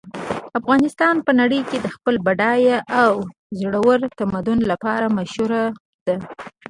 افغانستان په نړۍ کې د خپل بډایه او زوړ تمدن لپاره مشهور ده